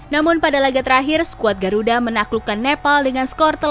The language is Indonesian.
namun pada laga terakhir skuad garuda menaklukkan nepal dengan skor delapan